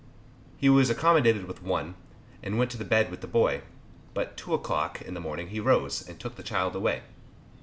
He was accommodated with one, and went to bed with the boy; but at two o'clock in the morning he rose, and took the child away.